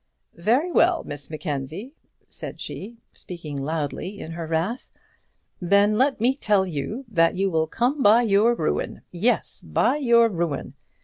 "Very well, Miss Mackenzie," said she, speaking loudly in her wrath; "then let me tell you that you will come by your ruin, yes, by your ruin.